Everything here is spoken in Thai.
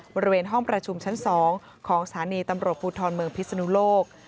บริเวณห้องประชุมชั้น๒ของสถานีตำรวจภูทรเมืองพิศนุโลก